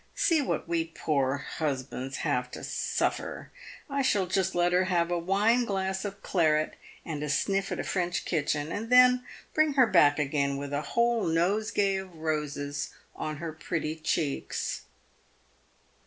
See what we poor husbands have to suffer. I shall just let her have a wine glass of claret and a sniff at a French kitchen, and then bring her back again with a whole nosegay of roses on her pretty cheeks."